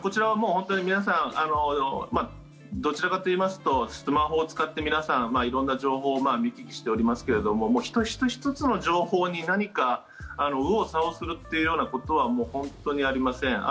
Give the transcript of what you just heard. こちらはもう、本当に皆さんどちらかといいますとスマホを使って皆さん色んな情報を見聞きしておりますけども１つ１つの情報に何か右往左往するというようなことは本当にありません。